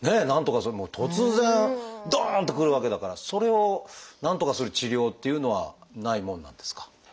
なんとか突然ドンと来るわけだからそれをなんとかする治療っていうのはないもんなんですか？